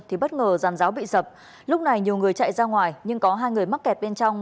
thì bất ngờ giàn giáo bị sập lúc này nhiều người chạy ra ngoài nhưng có hai người mắc kẹt bên trong